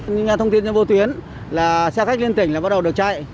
nghe thông tin trên vô tuyến là xe khách liên tỉnh là bắt đầu được chạy